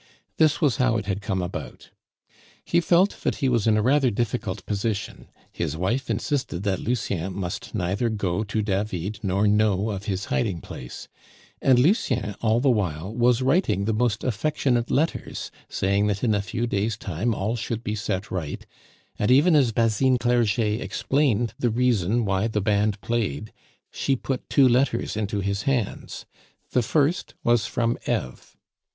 This was how it had come about. He felt that he was in a rather difficult position; his wife insisted that Lucien must neither go to David nor know of his hiding place; and Lucien all the while was writing the most affectionate letters, saying that in a few days' time all should be set right; and even as Basine Clerget explained the reason why the band played, she put two letters into his hands. The first was from Eve.